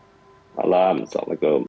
selamat malam assalamu'alaikum